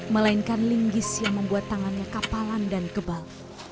melainkan linggis yang membuat tangannya kapalan dan kebal